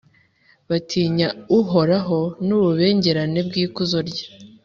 batinya Uhoraho, n’ububengerane bw’ikuzo rye,